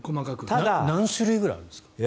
何種類ぐらいあるんですか？